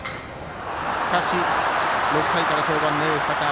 しかし、６回から登板のエース高橋